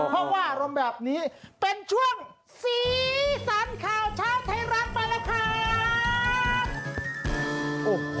เพราะว่าอารมณ์แบบนี้เป็นช่วงสีสันข่าวเช้าไทยรัฐมาแล้วครับ